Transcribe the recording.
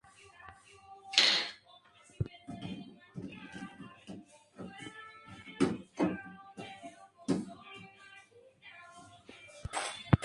Las ametralladoras ligeras fueron introducidas como armas automáticas más portátiles y ligeras.